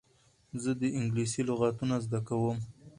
زه د انګلېسي لغتونه زده کوم.